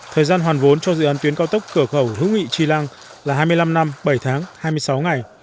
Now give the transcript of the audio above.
thời gian hoàn vốn cho dự án tuyến cao tốc cửa khẩu hữu nghị tri lăng là hai mươi năm năm bảy tháng hai mươi sáu ngày